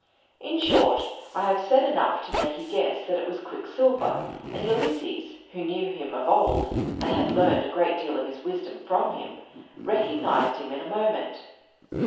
In short, I have said enough to make you guess that it was Quicksilver; and Ulysses (who knew him of old, and had learned a great deal of his wisdom from him) recognized him in a moment.